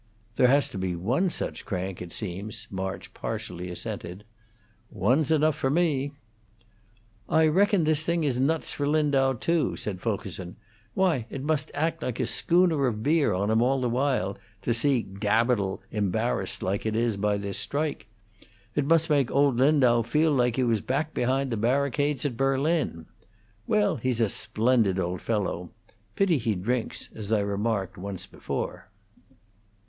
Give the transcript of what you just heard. "There has to be one such crank, it seems," March partially assented. "One's enough for me." "I reckon this thing is nuts for Lindau, too," said Fulkerson. "Why, it must act like a schooner of beer on him all the while, to see 'gabidal' embarrassed like it is by this strike. It must make old Lindau feel like he was back behind those barricades at Berlin. Well, he's a splendid old fellow; pity he drinks, as I remarked once before."